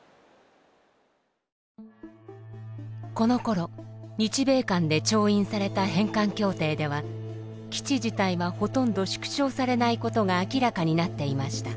このころ日米間で調印された返還協定では基地自体はほとんど縮小されないことが明らかになっていました。